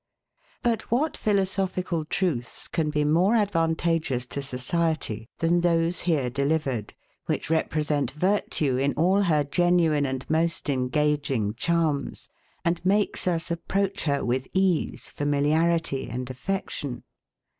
But what philosophical truths can be more advantageous to society, than those here delivered, which represent virtue in all her genuine and most engaging charms, and makes us approach her with ease, familiarity, and affection?